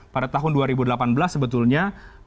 pada tahun dua ribu delapan belas sebetulnya